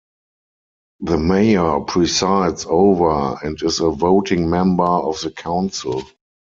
The mayor presides over and is a voting member of the council.